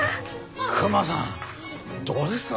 クマさんどうですか？